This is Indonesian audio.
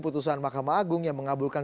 putusan mahkamah agung yang mengabulkan